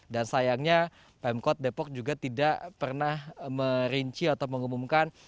dan sayangnya pemkot depok juga tidak pernah merinci atau mengumumkan